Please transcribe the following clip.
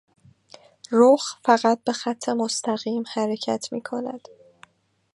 رخ فقط به خط مستقیم حرکت میکند.